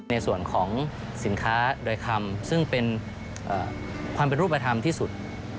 ในส่วนของสินค้าโดยคำซึ่งเป็นความเป็นรูปธรรมที่สุด